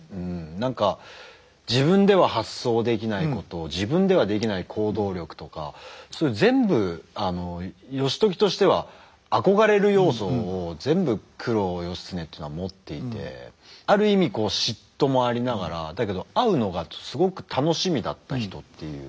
何か自分では発想できないことを自分ではできない行動力とかそういう全部義時としては憧れる要素を全部九郎義経っていうのは持っていてある意味嫉妬もありながらだけど会うのがすごく楽しみだった人っていう。